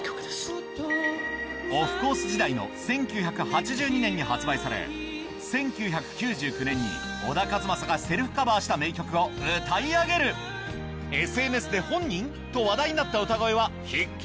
オフコース時代の１９８２年に発売され１９９９年に小田和正がセルフカバーした名曲を歌い上げる ＳＮＳ で ｌａｌａｌａ